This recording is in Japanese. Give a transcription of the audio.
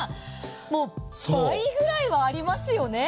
もう倍ぐらいはありますよね。